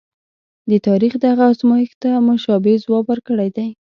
د تاریخ دغه ازمایښت ته مشابه ځواب ورکړی دی.